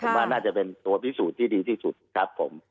ผมว่าน่าจะเป็นตัวพิสูจน์ที่ดีที่สุดครับผม